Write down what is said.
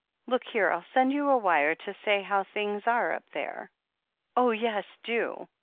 Look here, I'll send you a wire to say how things are up there." "Oh, yes, do!